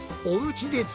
おうちで？